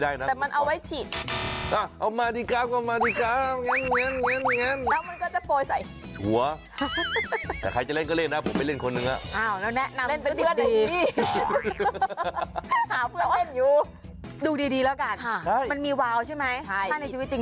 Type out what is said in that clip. อ้าวก็ไม่อ่ะก็เวลาเขาเล่นกันนะเวลามีคอนเสิร์ตคุณไม่เคยไปดูหรือ